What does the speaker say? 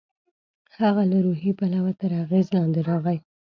هغه له روحي پلوه تر اغېز لاندې راغی.